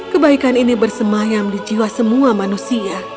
kebaikan ini bersemayam di jiwa semua manusia